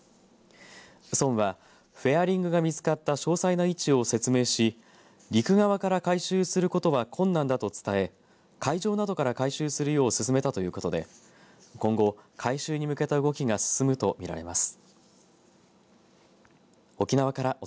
村はフェアリングが見つかった詳細な位置を説明し陸側から回収することは困難だと伝え海上などから回収するよう勧めたということで今後、回収に向けた動きが進むと見られます。